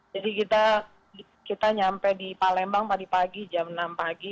jadi kita nyampe di palembang pagi pagi jam enam pagi